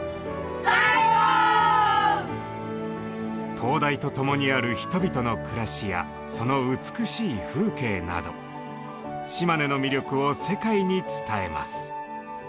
灯台とともにある人々の暮らしやその美しい風景など島根の魅力を世界に伝えます。